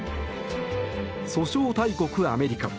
訴訟大国アメリカ。